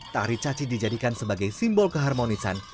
tari caci dijadikan sebagai simbol keharmonisan